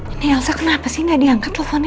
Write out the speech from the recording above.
ini elsa kenapa sih gak diangkat telponnya